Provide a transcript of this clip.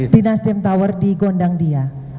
di nasdem tower di gondang dia